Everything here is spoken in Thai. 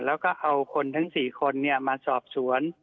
แล้วก็เอาคนทั้ง๔คนมาสอบสวน